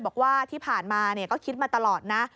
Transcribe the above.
บอกว่าที่ผ่านมาก็คิดมาตลอดนะ